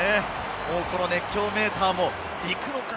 熱狂メーターも、行くのか？